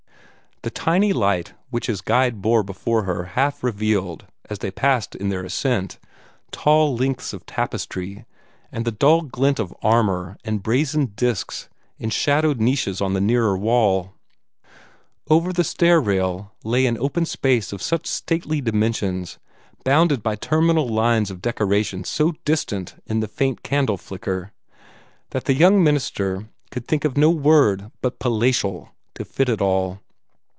The tiny light which his guide bore before her half revealed, as they passed in their ascent, tall lengths of tapestry, and the dull glint of armor and brazen discs in shadowed niches on the nearer wall. Over the stair rail lay an open space of such stately dimensions, bounded by terminal lines of decoration so distant in the faint candle flicker, that the young country minister could think of no word but "palatial" to fit it all.